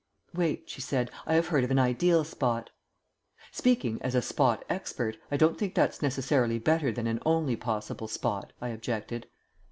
"Wait," she said. "I have heard of an ideal spot." "Speaking as a spot expert, I don't think that's necessarily better than an only possible spot," I objected.